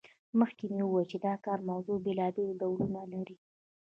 مخکې مو وویل چې د کار موضوع بیلابیل ډولونه لري.